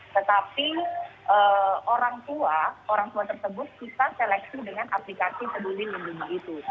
tetapi orang tua orang tua tersebut bisa seleksi dengan aplikasi peduli lindungi itu